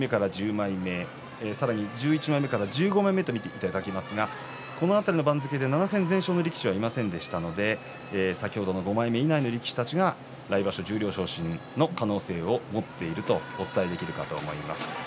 ６枚目から１０枚目さらに、１１枚目から１５枚目と見ていただきますがこの辺りの番付で７戦全勝の力士はいませんでしたので先ほどの５枚目以内の力士たちが来場所十両昇進の可能性を持っているとお伝えできるかと思います。